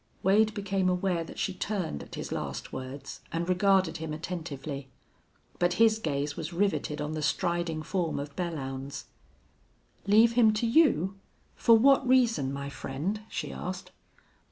Wade became aware that she turned at his last words and regarded him attentively. But his gaze was riveted on the striding form of Belllounds. "Leave him to you? For what reason, my friend?" she asked.